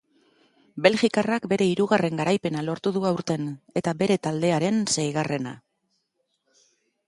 Belgikarrak bere hirugarren garaipena lortu du aurten, eta bere taldearen seigarrena.